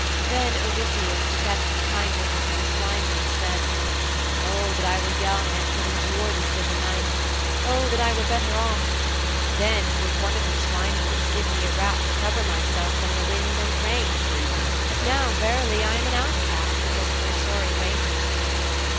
Then Odysseus, to test the kindliness of the swineherd, said, 'O that I were young and could endure this bitter night! O that I were better off! Then would one of you swineherds give me a wrap to cover myself from the wind and rain! But now, verily, I am an outcast because of my sorry raiment.'